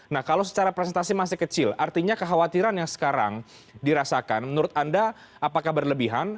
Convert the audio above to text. nah kalau secara presentasi masih kecil artinya kekhawatiran yang sekarang dirasakan menurut anda apakah berlebihan